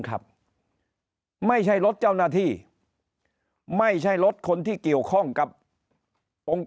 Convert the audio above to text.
ครับไม่ใช่รถเจ้าหน้าที่ไม่ใช่รถคนที่เกี่ยวข้องกับองค์